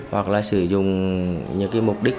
hoặc là sử dụng những cái mục đích